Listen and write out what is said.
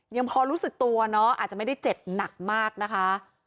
เนียมพอรู้สึกตัวอาจจะไม่ได้เจ็บหนักมากนะคะ